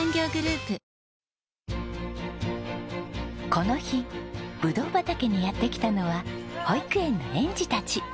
この日ぶどう畑にやって来たのは保育園の園児たち。